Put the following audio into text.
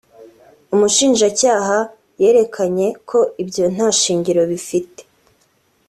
umushinjacyaha yerekanye ko ibyo nta shingiro bifite